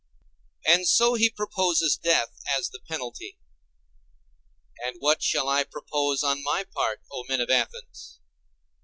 And so he proposes death as the penalty. And what shall I propose on my part, O men of Athens?